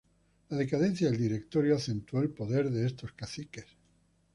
La decadencia del Directorio acentuó el poder de estos caciques.